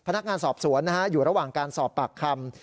พนักงานสอบสวนอยู่ระหว่างการสอบปากคำ